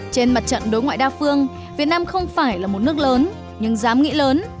trên mặt trận đối ngoại đa phương việt nam không phải là một nước lớn nhưng dám nghĩ lớn